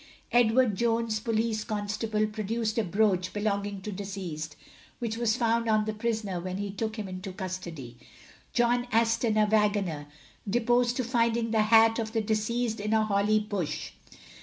Edward Jones, police constable, produced a brooch belonging to deceased, which was found on the prisoner when he took him into custody. John Aston, a waggoner, deposed to finding the hat of the deceased in a holly bush.